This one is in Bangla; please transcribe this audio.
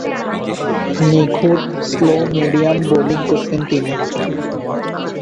নিখুঁত স্লো-মিডিয়াম বোলিং করতেন তিনি।